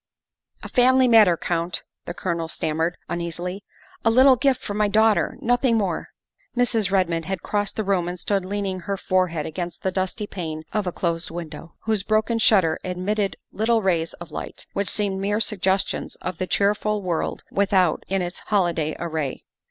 "A family matter, Count," the Colonel stammered uneasily, " a little gift from my daughter nothing more. '' Mrs. Redmond had crossed the room and stood lean 164 THE WIFE OF ing her forehead against the dusty pane of the closed window, whose broken shutter admitted little rays of light, which seemed mere suggestions of the cheerful world without in its holiday array.